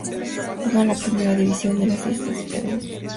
Juega en la Primera División de las Islas Feroe.